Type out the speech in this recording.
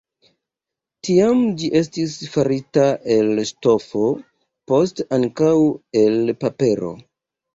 Tiam ĝi estis farita el ŝtofo, poste ankaŭ el papero.